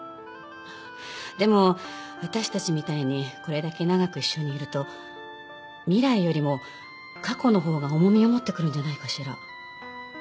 でも私たちみたいにこれだけ長く一緒にいると未来よりも過去のほうが重みを持ってくるんじゃないかしら。